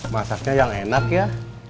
masaknya yang enak ya